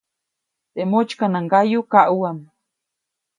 Teʼ motsykanaŋgayu kaʼuʼam.